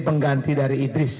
pengganti dari idris